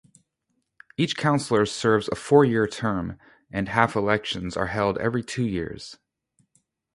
Each councillor serves a four-year term, and half-elections are held every two years.